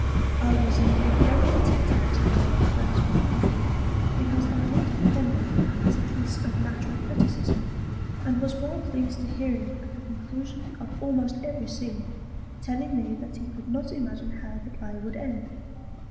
I was indeed very attentive to my old Friend's Remarks, because I looked upon them as a Piece of natural Criticism, and was well pleased to hear him at the Conclusion of almost every Scene, telling me that he could not imagine how the Play would end.